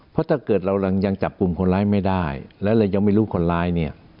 เพราะถ้าเกิดเรายังจับกลุ่มคนร้ายไม่ได้แล้วเรายังไม่รู้คนร้ายเนี่ย